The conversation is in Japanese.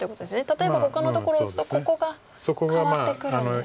例えばほかのところ打つとここが変わってくるんですか。